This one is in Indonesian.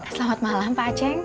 selamat malam pak aceh